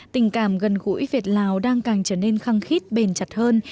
tình cảm gần gũi việt lào đang càng trở nên khăng khít bền chặt hơn